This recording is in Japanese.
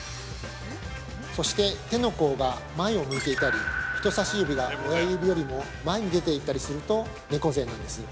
◆そして、手の甲が前を向いていたり人差し指が親指よりも前に出ていたりすると、猫背なんです。